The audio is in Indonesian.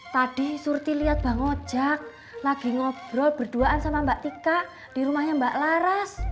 tadi surti lihat bang ojak lagi ngobrol berduaan sama mbak tika di rumahnya mbak laras